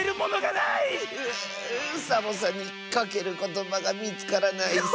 うサボさんにかけることばがみつからないッス。